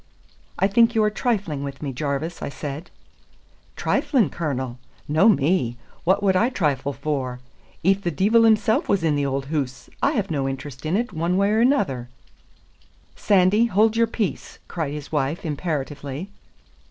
"I think you are trifling with me, Jarvis," I said. "Triflin', Cornel? No me. What would I trifle for? If the deevil himsel was in the auld hoose, I have no interest in 't one way or another " "Sandy, hold your peace!" cried his wife imperatively.